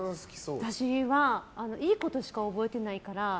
私はいいことしか覚えてないから。